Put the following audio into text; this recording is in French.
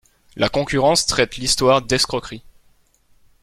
La concurrence traite l'histoire d'escroquerie.